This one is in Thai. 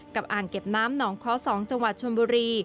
อ่างเก็บน้ำหนองค้อ๒จังหวัดชนบุรี